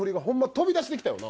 飛び出してきたよな。